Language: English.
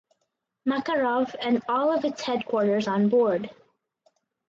Makarov and all of its headquarters on board.